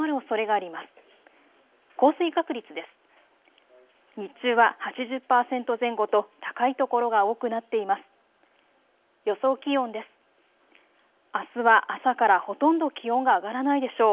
あすは朝からほとんど気温が上がらないでしょう。